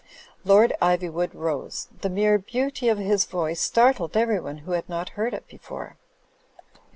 Lord Ivy wood rose. The mere beauty of his voice startled everyone who had not heard it tefore.